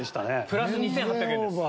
プラス２８００円です。